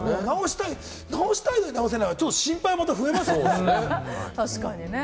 直したいのに直せないからまた心配が増えますよね。